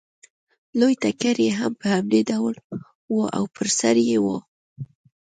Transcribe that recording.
لوی ټکری یې هم په همدې ډول و او پر سر یې و